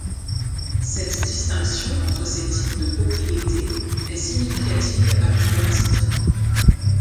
Cette distinction entre ces types de propriétés est significative à plus d'un titre.